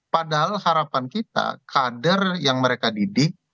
padahal harapan kita kader yang mereka didik